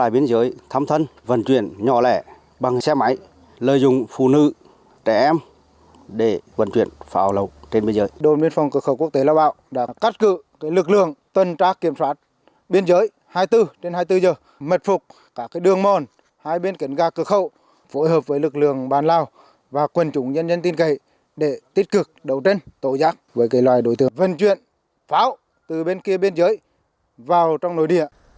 biên giới hai mươi bốn trên hai mươi bốn giờ mật phục cả cái đường mòn hai bên kến gà cực khâu phối hợp với lực lượng bàn lao và quần chủ nhân nhân tin cậy để tích cực đấu tranh tổ giác với cái loài đối tượng vận chuyển pháo từ bên kia biên giới vào trong nội địa